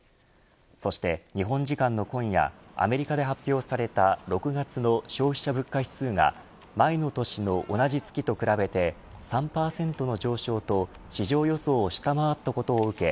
そして、日本時間の今夜アメリカで発表された６月の消費者物価指数が前の年の同じ月と比べて３％の上昇と市場予想を下回ったことを受け